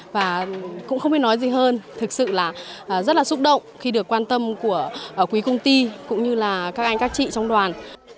và cũng không biết nói gì hơn thực sự là rất là xúc động khi được quan tâm của quý công ty cũng như là các anh các chị trong đoàn